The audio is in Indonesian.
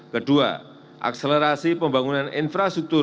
kedua akselerasi pembangunan infrastruktur